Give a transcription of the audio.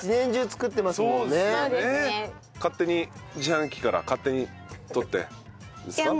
勝手に自販機から勝手に取ってですか？